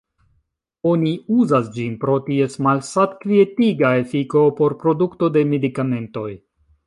Oni uzas ĝin pro ties malsat-kvietiga efiko por produkto de medikamentoj.